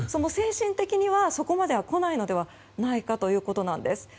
精神的にはそこまでは来ないのではないかということです。